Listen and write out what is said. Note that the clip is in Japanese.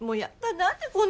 何でこんな。